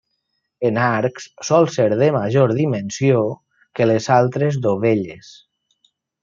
En arcs sol ser de major dimensió que les altres dovelles.